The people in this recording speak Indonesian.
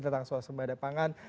tentang suasembada pangan